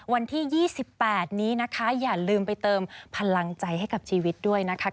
วันที่๒๘นี้นะคะอย่าลืมไปเติมพลังใจให้กับชีวิตด้วยนะคะ